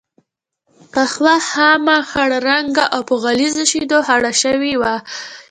قهوه خامه، خړ رنګه او په غليظو شیدو خوږه شوې وه.